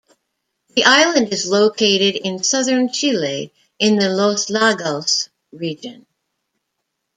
The island is located in southern Chile, in the Los Lagos Region.